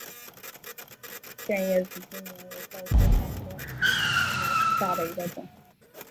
剑叶紫金牛为报春花科紫金牛属下的一个种。